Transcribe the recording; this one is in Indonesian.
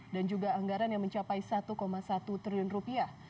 dan juga anggaran yang mencapai satu satu triliun rupiah